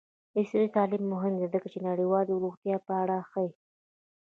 عصري تعلیم مهم دی ځکه چې د نړیوالې روغتیا په اړه ښيي.